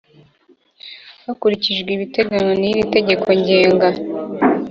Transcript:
hakurikijwe ibiteganywa n iri tegeko ngenga